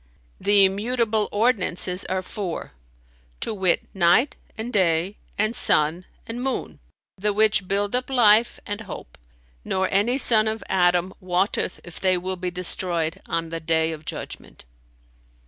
The immutable ordinances are four; to wit, night and day and sun and moon, the which build up life and hope; nor any son of Adam wotteth if they will be destroyed on the Day of Judgment."